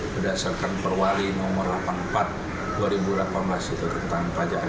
berdasarkan perwali nomor delapan puluh empat dua ribu delapan belas itu tentang pajak